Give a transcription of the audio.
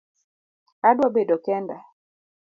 Adwa bedo kenda